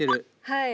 はい！